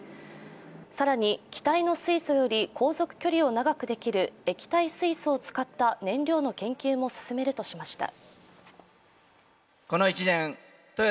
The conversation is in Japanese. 更に、気体の水素より航続距離を長くできる液体水素を使った燃料の研究も進めるとしました。